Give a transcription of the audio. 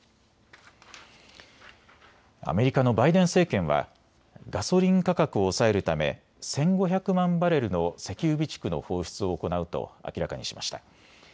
アメリカのバイデン政権はガソリン価格を抑えるため１５００万バレルの石油備蓄の放出を行うと明らかにしました。